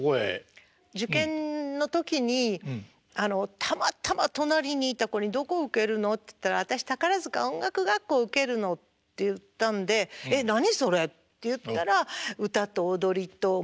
受験の時にたまたま隣にいた子に「どこ受けるの？」っつったら「私宝塚音楽学校受けるの」って言ったんで「え何それ？」って言ったら「歌と踊りともちろんお勉強もあって